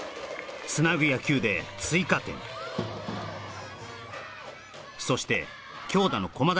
つなぐ野球で追加点そして強打の駒大